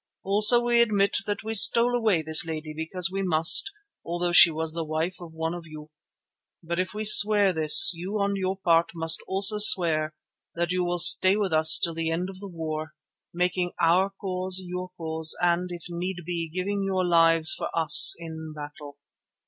Also we admit that we stole away this lady because we must, although she was the wife of one of you. But if we swear this, you on your part must also swear that you will stay with us till the end of the war, making our cause your cause and, if need be, giving your lives for us in battle.